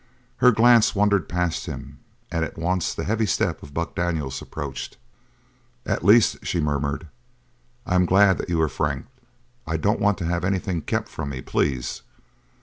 Her glance wandered past him and at once the heavy step of Buck Daniels approached. "At least," she murmured, "I am glad that you are frank. I don't want to have anything kept from me, please.